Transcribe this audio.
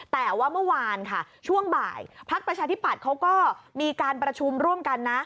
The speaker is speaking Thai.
แต่ว่าเมื่อวานค่ะช่วงบ่ายพักประชาธิปัตย์เขาก็มีการประชุมร่วมกันนะ